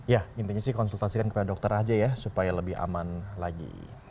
ya intinya sih konsultasikan kepada dokter aja ya supaya lebih aman lagi